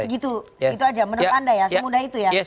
itu aja menurut anda ya semudah itu ya